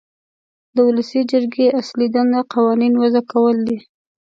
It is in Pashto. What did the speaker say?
د ولسي جرګې اصلي دنده قوانین وضع کول دي.